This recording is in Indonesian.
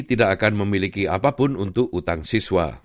tidak akan memiliki apapun untuk utang siswa